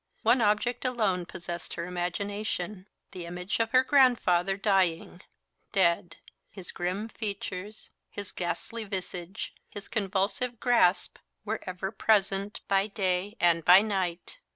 One object alone possessed her imagination the image of her grandfather dying dead; his grim features, his ghastly visage, his convulsive grasp, were ever present, by day and by night.